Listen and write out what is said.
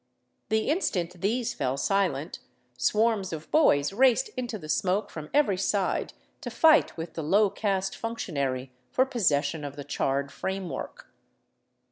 The instant these fell silent, swarms of boys raced into the smoke from every side to fight with the low caste functionary for possession of the charred framework.